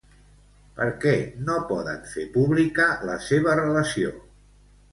Per què no poden fer pública la seva relació?